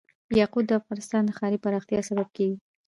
یاقوت د افغانستان د ښاري پراختیا سبب کېږي.